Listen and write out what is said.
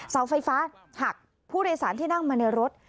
เสาไฟฟ้าหักผู้โดยสารที่นั่งมาในรถ